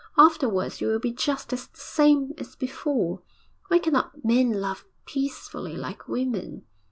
Afterwards you will be just the same as before. Why cannot men love peacefully like women?